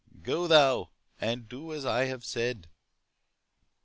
Go thou, and do as I have said."